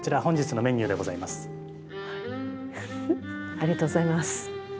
ありがとうございます。